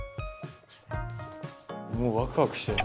「もうわくわくしてる」